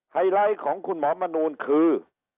ไฮไลท์ของคุณหมอมนูลคือ